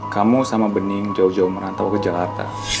kamu sama bening jauh jauh merantau ke jakarta